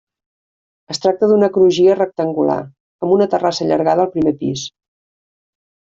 Es tracta d'una crugia rectangular, amb una terrassa allargada al primer pis.